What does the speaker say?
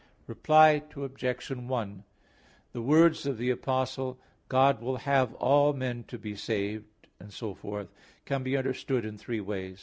Reply Obj. 1: The words of the Apostle, "God will have all men to be saved," etc. can be understood in three ways.